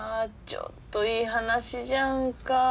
ちょっといい話じゃんか。